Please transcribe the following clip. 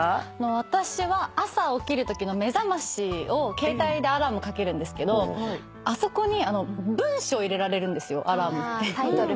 私は朝起きるときの目覚ましを携帯でアラームかけるんですけどあそこに文章入れられるんですアラームって。